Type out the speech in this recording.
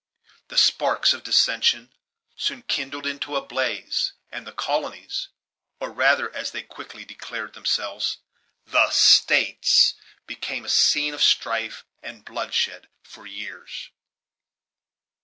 The sparks of dissension soon kindled into a blaze; and the colonies, or rather, as they quickly declared themselves, THE STATES, became a scene of strife and bloodshed for years.